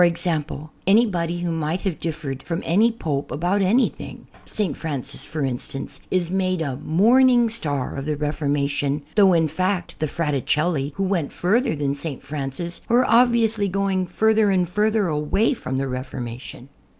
e.g. :\nybody who may have differed from any Pope aljout anything (St. Francis, for instance) is made a morning star of the Reformation ; though in fact the Fraticelli, who went further than St. Francis, were ob viously going further and further away from the Refor mation.